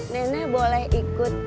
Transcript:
nenek boleh ikut